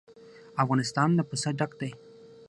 افغانستان له پسه ډک دی.